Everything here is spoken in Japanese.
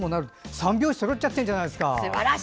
三拍子そろっちゃってるじゃないですか。